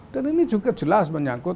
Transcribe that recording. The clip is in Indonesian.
ini juga jelas menyangkut